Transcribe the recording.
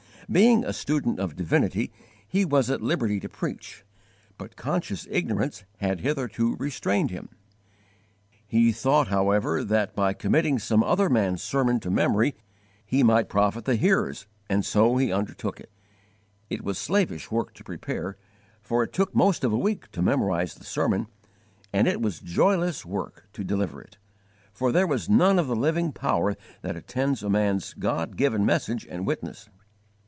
Being a student of divinity he was at liberty to preach, but conscious ignorance had hitherto restrained him. He thought, however, that by committing some other man's sermon to memory he might profit the hearers, and so he undertook it. It was slavish work to prepare, for it took most of a week to memorize the sermon, and it was joyless work to deliver it, for there was none of the living power that attends a man's God given message and witness.